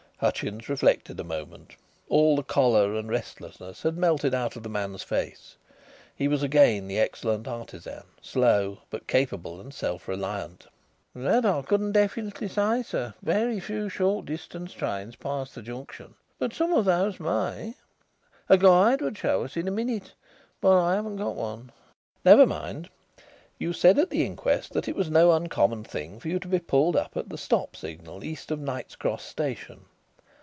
Hutchins reflected a moment. All the choler and restlessness had melted out of the man's face. He was again the excellent artisan, slow but capable and self reliant. "That I couldn't definitely say, sir. Very few short distance trains pass the junction, but some of those may. A guide would show us in a minute but I haven't got one." "Never mind. You said at the inquest that it was no uncommon thing for you to be pulled up at the 'stop' signal east of Knight's Cross Station.